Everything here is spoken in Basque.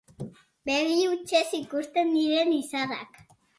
Begi hutsez ikusten diren izarrak.